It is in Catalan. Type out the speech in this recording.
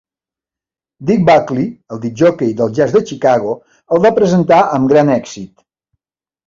Dick Buckley, el discjòquei del jazz de Chicago, el va presentar amb gran èxit.